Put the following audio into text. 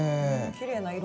きれいな色。